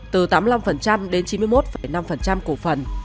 từ tám mươi năm đến chín mươi một năm cổ phần